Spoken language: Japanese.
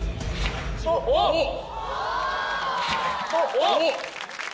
おっ！